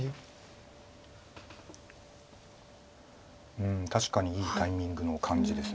うん確かにいいタイミングの感じです。